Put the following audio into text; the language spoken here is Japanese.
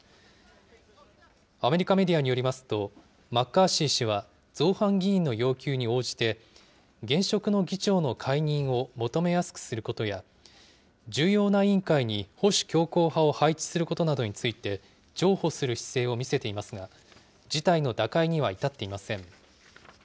アメリカメディアによりますと、マッカーシー氏は造反議員の要求に応じて、現職の議長の解任を求めやすくすることや、重要な委員会に保守強硬派を配置することなどについて、譲歩する姿勢を見せていますが、事態の打開には至っていません。